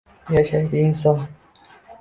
Yashaydi inson